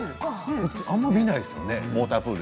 あまり見ないですよね？